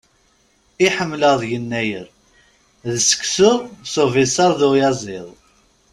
I ḥemmleɣ deg Yennayer, d seksu s ubisaṛ d uyaziḍ.